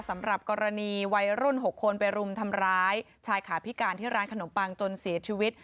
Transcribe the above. สำหรับกรณีวัยรุ่น๖คนไปรุมทำร้ายชายขาพิการที่ร้านขนมปังจนเสียชีวิต